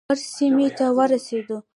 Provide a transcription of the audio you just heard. کرز سیمې ته ورسېدو.